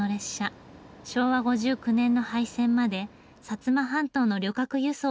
昭和５９年の廃線まで摩半島の旅客輸送を支えました。